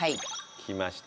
きました。